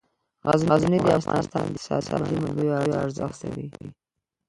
غزني د افغانستان د اقتصادي منابعو ارزښت زیاتوي.